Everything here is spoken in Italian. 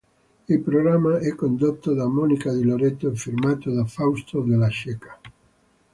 Il programma è condotto da Monica Di Loreto e firmato da Fausto Della Ceca.